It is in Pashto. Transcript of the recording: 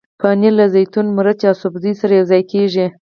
پنېر له زیتون، مرچ او سبزیو سره یوځای کېږي.